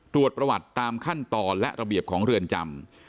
ตรวจประวัติตามขั้นตอนและระเบียบของเรือนจำ